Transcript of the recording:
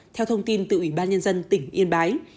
theo thông tin từ ủy ban nhân dân tỉnh yên bái